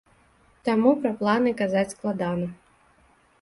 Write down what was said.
Таму пра планы казаць складана.